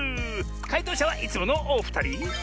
かいとうしゃはいつものおふたり。